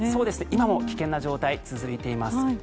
今も危険な状態が続いています。